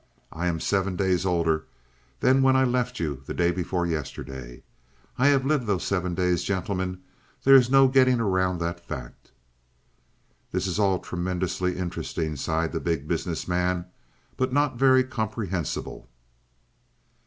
I am seven days older than when I left you day before yesterday. I have lived those seven days, gentlemen, there is no getting around that fact." "This is all tremendously interesting," sighed the Big Business Man; "but not very comprehensible."